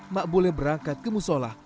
makbule berangkat ke musola